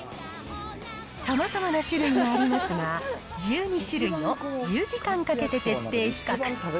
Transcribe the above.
さまざまな種類がありますが、１２種類を１０時間かけて徹底比較。